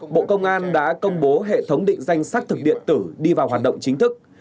bộ công an đã công bố hệ thống định danh xác thực điện tử đi vào hoạt động chính thức